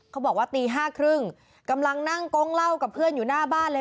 เขาบอกว่าตี๕๓๐กำลังนั่งโก๊งเหล้ากับเพื่อนอยู่หน้าบ้านเลย